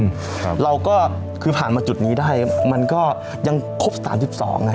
ครับเราก็คือผ่านมาจุดนี้ได้มันก็ยังครบสามสิบสองไง